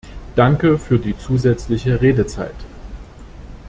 Danke für die zusätzliche Redezeit.